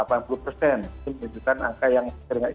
itu menunjukkan angka yang